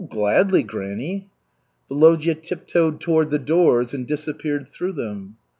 "Gladly, granny." Volodya tiptoed toward the doors and disappeared through them.